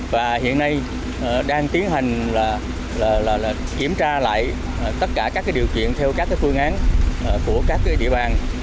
và hiện nay đang tiến hành kiểm tra lại tất cả các điều kiện theo các phương án của các địa bàn